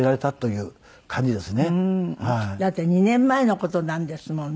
だって２年前の事なんですもんね。